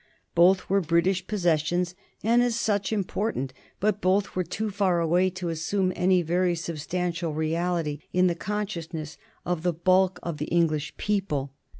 Both were British possessions, and as such important, but both were too far away to assume any very substantial reality in the consciousness of the bulk of the English people.